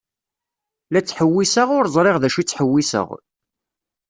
La ttḥewwiseɣ ur ẓriɣ d acu i ttḥewwiseɣ.